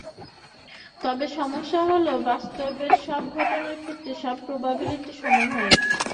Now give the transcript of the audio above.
তবে সমস্যা হোল বাস্তবের সব ঘটনার ক্ষেত্রে সব প্রবাবিলিটি সমান হয় না।